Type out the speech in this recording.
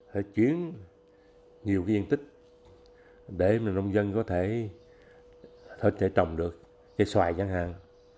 phải chuyển nhiều cái diện tích để mà nông dân có thể trồng được cây xoài chẳng hạn